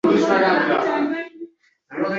O`shanda ham quloq osmaganding o`zi